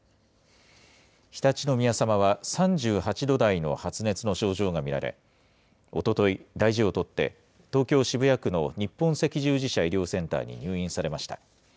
常陸宮さまは３８度台の発熱の症状が見られ、おととい、大事をとって東京・渋谷区の日本赤十字社医療センターに入院されました。